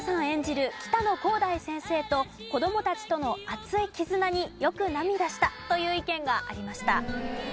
演じる北野広大先生と子どもたちとの熱い絆によく涙したという意見がありました。